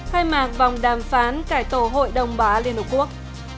hai mạng vòng đàm phán cải tổ hội đồng bá liên hợp quốc